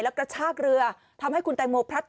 แล้วกระชากเรือทำให้คุณแตงโมพลัด